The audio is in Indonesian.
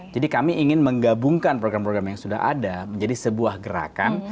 jadi kami ingin menggabungkan program program yang sudah ada menjadi sebuah gerakan